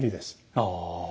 ああ。